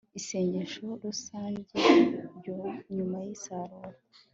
isengesho rusange nyuma y'isarura